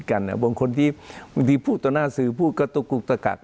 กันอ่ะบางคนที่บางทีพูดต่อหน้าสื่อพูดก็ต้องกลุ่มตะกัด